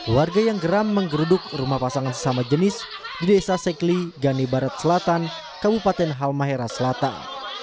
warga yang geram menggeruduk rumah pasangan sesama jenis di desa secley gane barat selatan kabupaten halmahera selatan